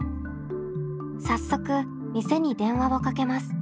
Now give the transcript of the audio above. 早速店に電話をかけます。